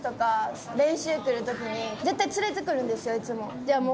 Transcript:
いつも。